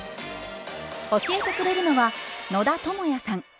教えてくれるのは野田智也さん。